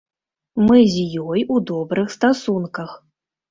Мы з ёй у добрых стасунках.